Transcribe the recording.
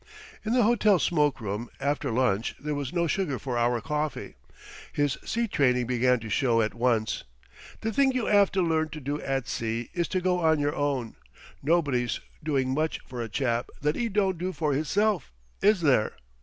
In the hotel smoke room after lunch there was no sugar for our coffee. His sea training began to show at once. "The thing you 'ave to learn to do at sea is to go on your own. Nobody doing much for a chap that 'e don't do for hisself, is there?"